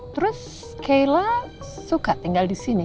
terus kela suka tinggal di sini